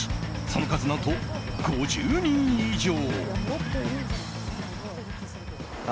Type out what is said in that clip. その数何と、５０人以上。